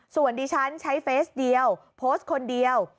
ส่วนดิฉันใช้เฟสเดียวโพสต์คนเดียว